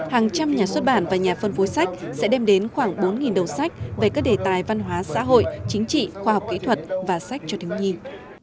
hàng trăm nhà xuất bản và nhà phân phối sách sẽ đem đến khoảng bốn đầu sách về các đề tài văn hóa xã hội chính trị khoa học kỹ thuật và sách cho thiếu nhi